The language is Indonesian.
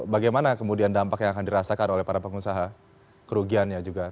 bagaimana kemudian dampak yang akan dirasakan oleh para pengusaha kerugiannya juga